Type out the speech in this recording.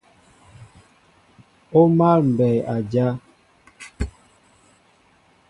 O máál mbɛy a dyá.